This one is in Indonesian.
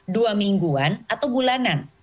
dua mingguan atau bulanan